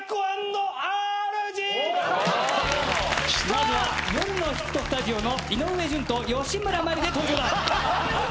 まずは『夜のヒットスタジオ』の井上順と芳村真理で登場だ。